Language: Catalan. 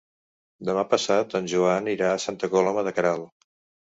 Demà passat en Joan irà a Santa Coloma de Queralt.